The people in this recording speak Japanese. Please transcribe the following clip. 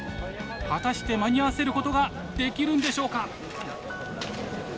果たして間に合わせることができるんでしょうか？